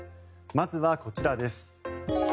まずはこちらです。